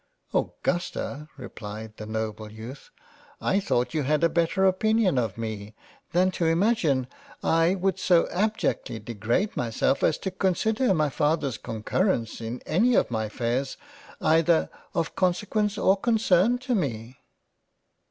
" Augusta (replied the noble Youth) I thought you had better opinion of me, than to imagine I would so abjectly degrade myself as to consider my Father's Concurrence ii any of my affairs, either of Consequence or concern to me.